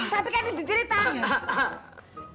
tapi kan dia jeritah